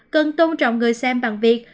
cần tôn trọng người xem bằng việc